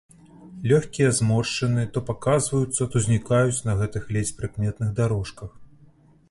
Лёгкія зморшчыны то паказваюцца, то знікаюць на гэтых ледзь прыкметных дарожках.